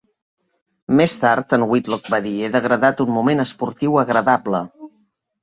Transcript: Més tard, en Whitlock va dir, He degradat un moment esportiu agradable.